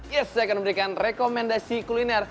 yes saya akan memberikan rekomendasi kuliner